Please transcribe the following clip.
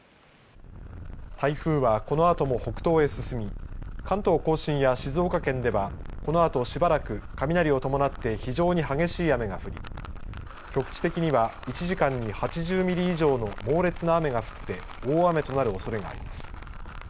台風は、このあとも北東へ進み関東甲信や静岡県ではこのあと、しばらく雷を伴って非常に激しい雨が降り局地的には１時間に８０ミリ以上の猛烈な雨が降って大雨となるおそれがあります。